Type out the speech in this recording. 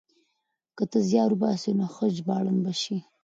که ته زيار وباسې نو ښه ژباړن به شې.